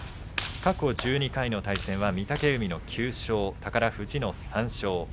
過去１２回の対戦は御嶽海の９勝宝富士の３勝。